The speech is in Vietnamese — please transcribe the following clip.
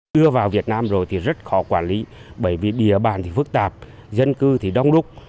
đưa vào việt nam rồi thì rất khó quản lý bởi vì địa bàn thì phức tạp dân cư thì đông đúc